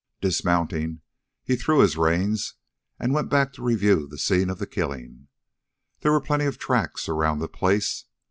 Dismounting, he threw his reins and went back to review the scene of the killing. There were plenty of tracks around the place.